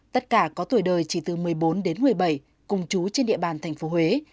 tất cả có tuổi đời chỉ từ một mươi bốn đến một mươi bảy cùng chú trên địa bàn tp huế